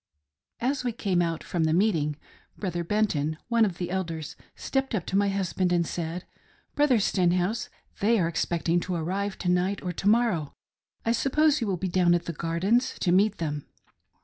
As we came out from the meeting, Brother Benton, one of the Elders, stepped up to my husband and said :" Brother Stenhouse, they are expected to arrive to night or to morrow ; I suppose you will be down at the " Gardens " to meet them."